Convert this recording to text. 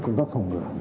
công tác phòng ngựa